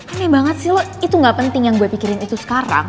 ini banget sih lo itu gak penting yang gue pikirin itu sekarang